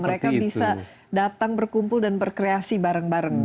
mereka bisa datang berkumpul dan berkreasi bareng bareng